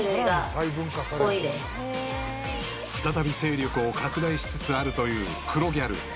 ［再び勢力を拡大しつつあるという黒ギャル］